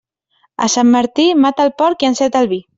A Sant Martí, mata el porc i enceta el vi.